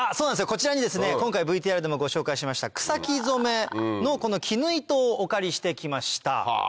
こちらにですね今回ＶＴＲでもご紹介しました草木染めの絹糸をお借りして来ました。